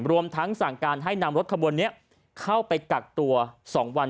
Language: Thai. รวมทั้งสั่งการให้นำรถขบวนนี้เข้าไปกักตัว๒วัน